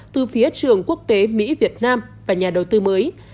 từ phía trường quốc tế mỹ việt nam và nhà đầu tư mới